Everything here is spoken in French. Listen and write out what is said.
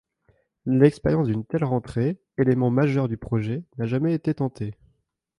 L'expérience d'une telle rentrée, élément majeur du projet, n'a jamais été tentée.